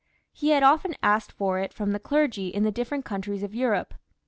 He had often asked for it from the clergy in the different countries of Europe.